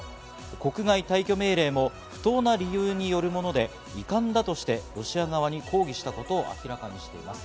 国外退去命令も不当な理由によるもので遺憾だとしてロシア側に抗議したことを明らかにしています。